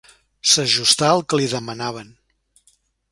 S'ajustà al que li demanaven.